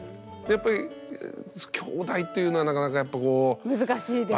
やっぱりきょうだいっていうのはなかなかやっぱこう。